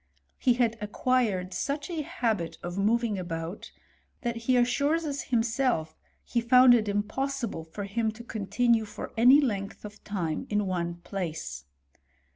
He had acquired such a habit of moving about, that he assures us himself he Ibund it impossible for him to continue for any length of time in one place.